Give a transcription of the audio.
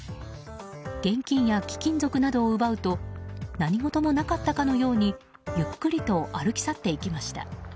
現金や貴金属などを奪うと何事もなかったかのようにゆっくりと歩き去っていきました。